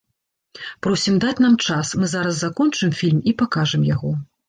Просім даць нам час, мы зараз закончым фільм і пакажам яго.